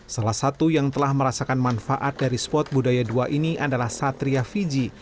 salah satu yang telah merasakan manfaat dari spot budaya dua ini adalah satria fiji